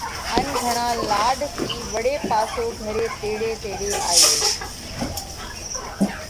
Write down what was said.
ان گھڻا لاڏ ٿِي وۯي پاسو گھري تيڙي تيڙي آيو